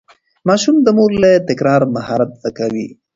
ماشوم د مور له تکرار مهارت زده کوي.